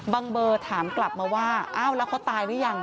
เบอร์ถามกลับมาว่าอ้าวแล้วเขาตายหรือยัง